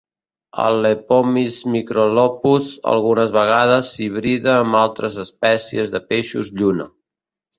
El lepomis microlophus algunes vegades s"hibrida amb altres espècies de peixos lluna.